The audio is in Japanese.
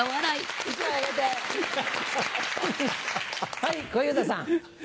はい小遊三さん。